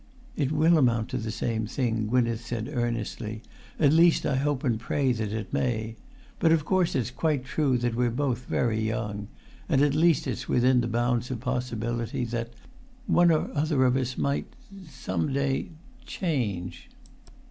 "It will amount to the same thing," Gwynneth said earnestly; "at least I hope and pray that it may. But, of course, it's quite true that we're both very young; and at least it's within the bounds of possibility that—one or other of us might—some day—change."